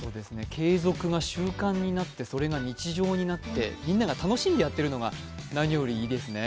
継続が習慣になって、それが日常になって、みんなが楽しんでやってるのが何よりいいですね。